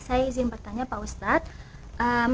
saya izin bertanya pak ustadz